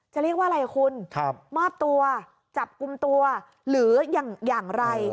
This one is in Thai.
จะเรียกว่าอะไรคุณมอบตัวจับกลุ่มตัวหรืออย่างไร